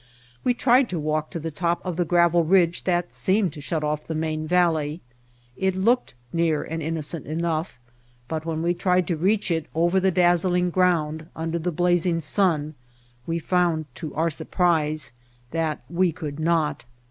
We tried to walk to the top of the gravel ridge that seemed to shut off the main valley. It looked near and innocent enough, but when we tried to reach it over the dazzling ground under the blazing sun we found, to our surprise, that we could not.